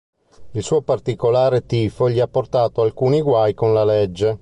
Il suo particolare tifo gli ha portato alcuni guai con la legge.